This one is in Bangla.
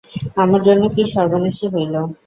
আমার জন্য কী সর্বনাশই হইল।